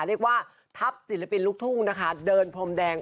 เรียกว่าทัพศิลปินลูกทุ่งนะคะเดินพรมแดง